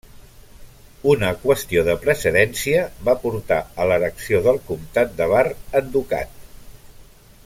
Una qüestió de precedència va portar a l'erecció del comtat de Bar en ducat.